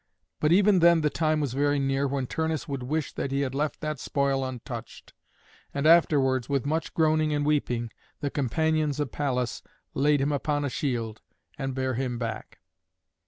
But even then the time was very near when Turnus would wish that he had left that spoil untouched. And afterwards, with much groaning and weeping, the companions of Pallas laid him upon a shield and bare him back.